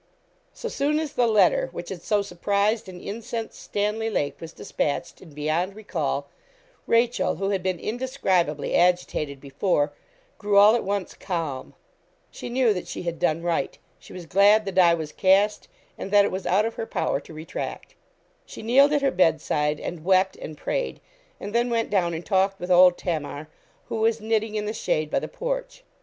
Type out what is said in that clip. So soon as the letter which had so surprised and incensed Stanley Lake was despatched, and beyond recall, Rachel, who had been indescribably agitated before, grew all at once calm. She knew that she had done right. She was glad the die was cast, and that it was out of her power to retract. She kneeled at her bedside, and wept and prayed, and then went down and talked with old Tamar, who was knitting in the shade by the porch.